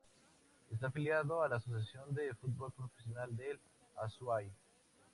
Está afiliado a la Asociación de Fútbol Profesional del Azuay.